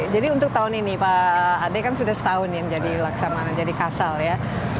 jadi untuk tahun ini pak ade kan sudah setahun yang jadi laksamana jadi kasal ya